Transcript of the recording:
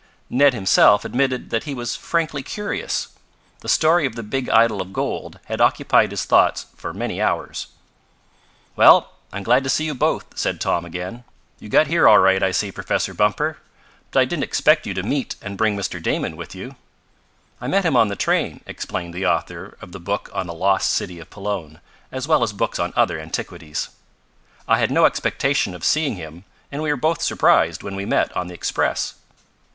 Ned himself admitted that he was frankly curious. The story of the big idol of gold had occupied his thoughts for many hours. "Well, I'm glad to see you both," said Tom again. "You got here all right, I see, Professor Bumper. But I didn't expect you to meet and bring Mr. Damon with you." "I met him on the train," explained the author of the book on the lost city of Pelone, as well as books on other antiquities. "I had no expectation of seeing him, and we were both surprised when we met on the express."